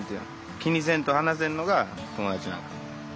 気にせんと話せるのが友達なんかな。